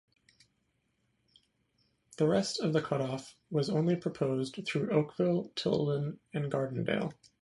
The rest of the cut off was only proposed through Oakville, Tilden, and Gardendale.